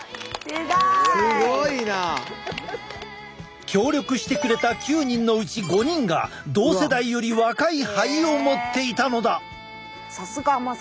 すごいな！協力してくれた９人のうち５人が同世代より若い肺を持っていたのだ！